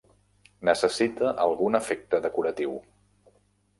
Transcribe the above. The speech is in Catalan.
Necessita algun efecte decoratiu.